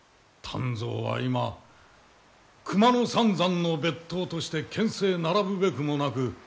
湛増は今熊野三山の別当として権勢並ぶべくもなく。